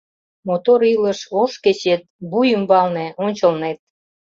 Мотор илыш, ош кечет Вуй ӱмбалне, ончылнет.